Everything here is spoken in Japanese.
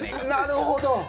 なるほど。